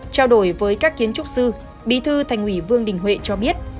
trao đổi với các kiến trúc sư bí thư thành ủy vương đình huệ cho biết